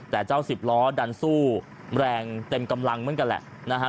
แต่เจ้าสิบล้อดันสู้แรงเต็มกำลังเหมือนกันแหละนะฮะ